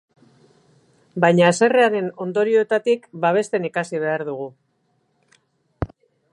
Baina haserrearen ondoriotatik babesten ikasi behar dugu.